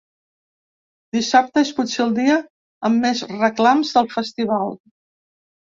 Dissabte és potser el dia amb més reclams del festival.